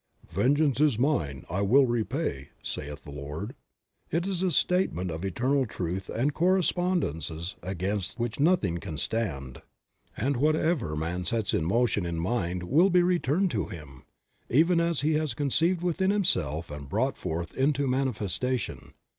"Vengeance is mine, I will repay, saith the Lord," is a statement of eternal truth and corre spondences against which nothing can stand, and whatever Creative Mind. 21 man sets in motion in mind will be returned to him, even as he has conceived within himself and brought forth into manifestation.